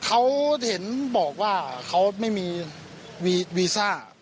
เขาเห็นบอกว่าเขาไม่มีวีซ่า